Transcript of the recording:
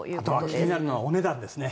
あと気になるのはお値段ですね。